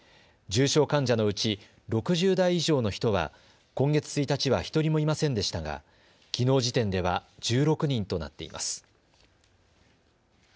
重症患者のうち６０代以上の人は、今月１日は１人もいませんでしたがきのう時点では１６人となっています。